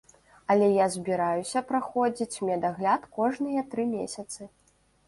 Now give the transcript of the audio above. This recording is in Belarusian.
Але я збіраюся праходзіць медагляд кожныя тры месяцы.